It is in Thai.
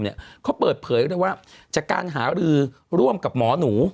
เขาเปิดเผยด้วยว่าจากการหารือร่วมกับหมอหนู